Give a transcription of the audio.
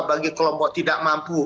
bagi kelompok tidak mampu